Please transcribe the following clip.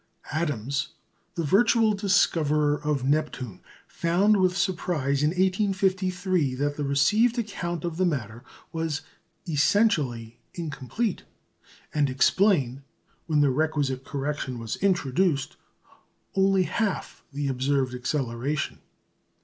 Adams, the virtual discoverer of Neptune, found with surprise in 1853 that the received account of the matter was "essentially incomplete," and explained, when the requisite correction was introduced, only half the observed acceleration.